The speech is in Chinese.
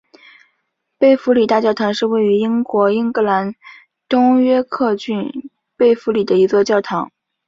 贝弗利大教堂是位于英国英格兰东约克郡贝弗利的一座教堂。